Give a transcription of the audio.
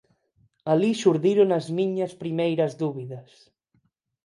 Alí xurdiron as miñas primeiras dúbidas.